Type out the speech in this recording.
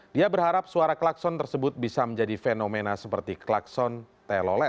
dia berharap suara klakson tersebut bisa menjadi fenomena seperti klakson telolet